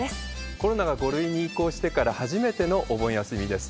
コロナが５類に移行してから初めてのお盆休みです。